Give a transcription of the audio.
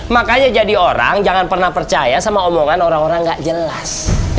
makanya jadi orang jangan pernah percaya sama omongan orang orang gak jelas